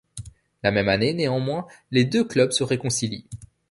La même année, néanmoins, les deux clubs se réconcilient.